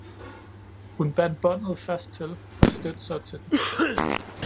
Hun bandt båndet fast til, og stødte så til den.